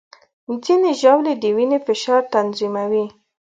ځینې ژاولې د وینې فشار تنظیموي.